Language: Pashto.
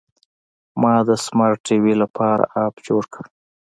ما د سمارټ ټي وي لپاره اپ جوړ کړ.